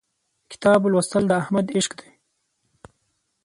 کتاب لوستل د احمد عشق دی.